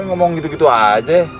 ngomong gitu gitu aja